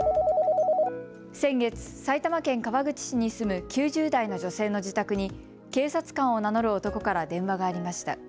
先月、埼玉県川口市に住む９０代の女性の自宅に警察官を名乗る男から電話がありました。